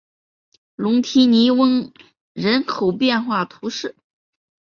龙提尼翁人口变化图示